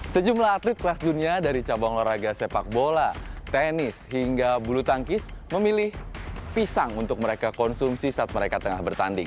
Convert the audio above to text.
sejumlah atlet kelas dunia dari cabang olahraga sepak bola tenis hingga bulu tangkis memilih pisang untuk mereka konsumsi saat mereka tengah bertanding